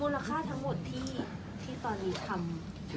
ค่าทั้งหมดที่ตอนนี้ทำ